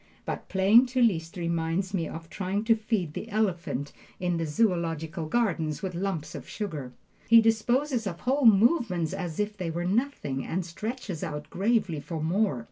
But playing to Liszt reminds me of trying to feed the elephant in the Zoological Garden with lumps of sugar. He disposes of whole movements as if they were nothing, and stretches out gravely for more!